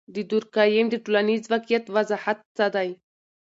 د دورکهايم د ټولنیز واقعیت وضاحت څه دی؟